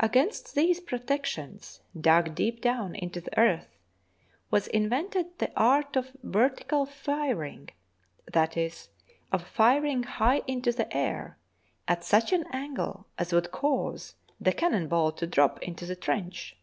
Against [ 182] THE FOURTH PERIOD these protections dug deep down into the earth, was invented the art of vertical firing, that is, of firing high into the air at such an angle as would cause the cannon ball to drop into the trench.